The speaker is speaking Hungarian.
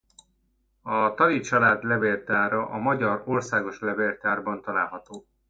A Thaly család levéltára a Magyar Országos Levéltárban található.